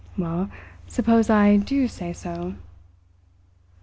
"Well, suppose I do say so."